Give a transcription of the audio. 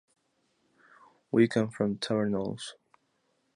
We come from Tavèrnoles.